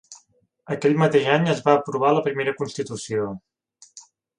Aquell mateix any es va aprovar la primera constitució.